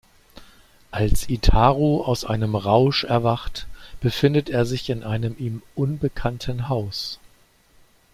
Als Itaru aus einem Rausch erwacht, befindet er sich in einem ihm unbekannten Haus.